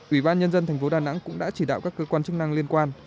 ủy ban nhân dân thành phố đà nẵng cũng đã chỉ đạo các cơ quan chức năng liên quan